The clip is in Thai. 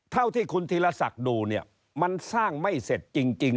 เท่าที่คุณธีรศักดิ์ดูเนี่ยมันสร้างไม่เสร็จจริง